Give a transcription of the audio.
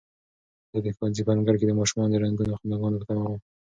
زه د ښوونځي په انګړ کې د ماشومانو د رنګینو خنداګانو په تمه وم.